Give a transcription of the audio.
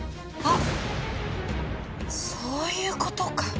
あっそういう事か。